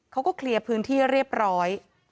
เขาก็เคลียร์พื้นที่เรียบร้อย